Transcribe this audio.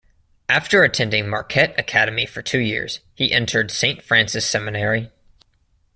After attending Marquette Academy for two years, he entered Saint Francis Seminary.